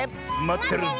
まってるよ！